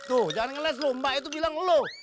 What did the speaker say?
tuh jangan ngeles lu mbak itu bilang lu